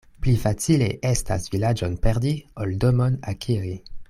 Pli facile estas vilaĝon perdi, ol domon akiri.